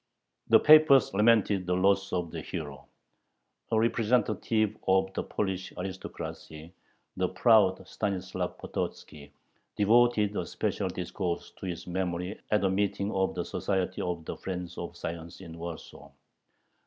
The papers lamented the loss of the hero. A representative of the Polish aristocracy, the proud Stanislav Pototzki, devoted a special discourse to his memory at a meeting of the "Society of the Friends of Science" in Warsaw.